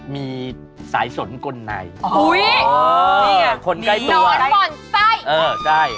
มีสายสนคนใด